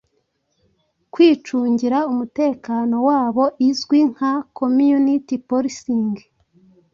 kwicungira umutekano wabo izwi nka “community policing”